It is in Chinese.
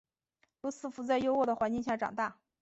罗斯福在优渥的环境下长大。